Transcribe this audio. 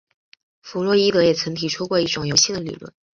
弗洛伊德也曾提出过一种游戏的理论。